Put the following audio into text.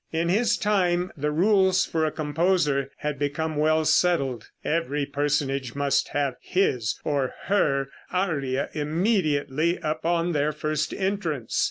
In his time the rules for a composer had become well settled, every personage must have his or her aria immediately upon their first entrance.